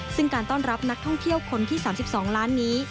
ซึ่งการต้อนรับนักท่องเที่ยวคนที่๓๒ล้านนี้